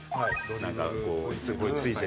なんかこうついて。